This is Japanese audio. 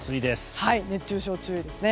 熱中症に注意ですね。